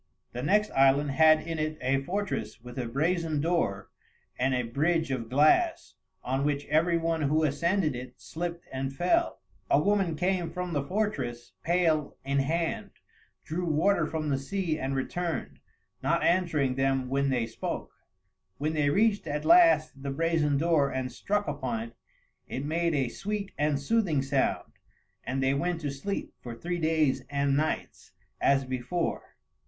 The next island had in it a fortress with a brazen door and a bridge of glass, on which every one who ascended it slipped and fell. A woman came from the fortress, pail in hand, drew water from the sea and returned, not answering them when they spoke. When they reached at last the brazen door and struck upon it, it made a sweet and soothing sound, and they went to sleep, for three days and nights, as before.